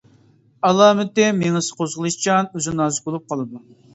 ئالامىتى مېڭىسى قوزغىلىشچان، ئۆزى نازۇك بولۇپ قالىدۇ.